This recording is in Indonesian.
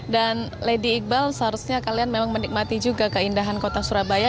lady iqbal seharusnya kalian memang menikmati juga keindahan kota surabaya